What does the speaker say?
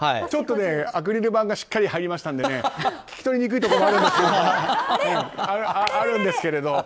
ちょっとアクリル板がしっかり入りましたので聞き取りにくいところもあるんですけれど。